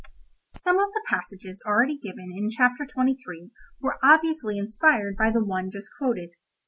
Some of the passages already given in Chapter XXIII were obviously inspired by the one just quoted.